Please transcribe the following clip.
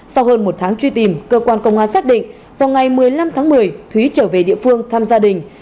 sau hơn một tháng truy tìm cơ quan công an xác định vào ngày một mươi năm tháng một mươi thúy trở về địa phương thăm gia đình